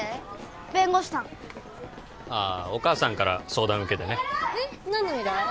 弁護士さんああお母さんから相談受けてねえっ何の依頼？